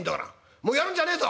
もうやるんじゃねえぞ！」。